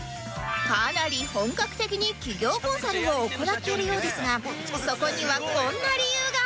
かなり本格的に企業コンサルを行っているようですがそこにはこんな理由が